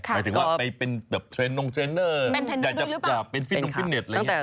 หมายถึงว่าไปเป็นแบบเทรนงเทรนเนอร์อยากจะเป็นฟินงฟิตเน็ตอะไรอย่างนี้